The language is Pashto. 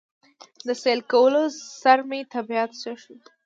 د سېل کولو سره مې طبعيت ښه شو